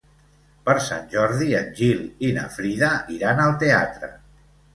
Per Sant Jordi en Gil i na Frida iran al teatre.